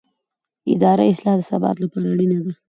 اداري اصلاح د ثبات لپاره اړینه ده